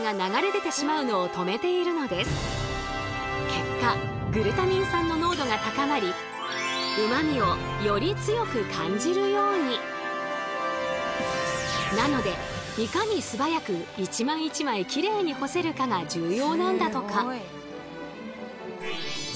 結果グルタミン酸の濃度が高まりなのでいかにすばやく一枚一枚キレイに干せるかが重要なんだとか。